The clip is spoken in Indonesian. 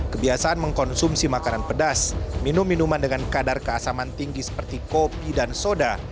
kebiasaan mengkonsumsi makanan pedas minum minuman dengan kadar keasaman tinggi seperti kopi dan soda